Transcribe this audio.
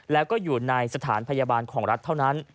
แล้วก็อยู่ในสถานพยาบาลของรัฐเท่านั้น